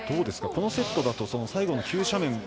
このセットだと最後の急斜面